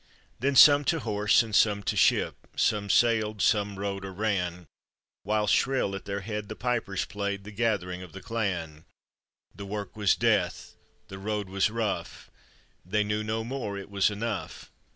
Then some to horse, and some to ship, Some sailed, some rode or ran ; While shrill at their head the pipers played The gathering of the clan ; The work was death, the road was rough, They knew no more, it was enough.